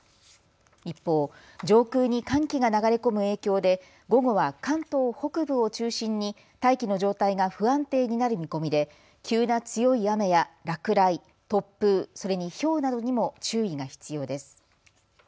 一方、上空に寒気が流れ込む影響で午後は関東北部を中心に大気の状態が不安定になる見込みで急な強い雨や落雷、突風、それにひょうなどにも注意が必要です。